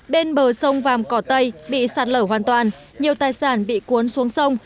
bên bờ sông vàm cỏ tây bị sạt lở hoàn toàn nhiều tài sản bị cuốn xuống sông